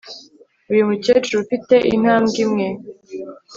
Uyu mukecuru ufite intambwe imwe